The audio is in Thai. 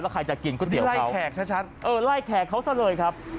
แล้วใครจะกินก็เดี๋ยวเขาไล่แขกเขาซะเลยครับ